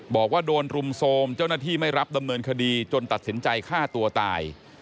บอกว่าโดนรุมโทรมเจ้าหน้าที่ไม่รับดำเนินคดีจนตัดสินใจฆ่าตัวตาย